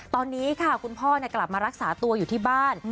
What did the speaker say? ตอนนี้ค่ะคุณพ่อกลับมารักษาตัวอยู่ที่บ้าน